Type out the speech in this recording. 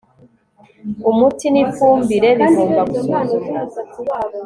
umuti n'ifumbire bigomba gusuzumwa